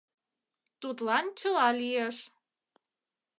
Тудлан чыла лиеш.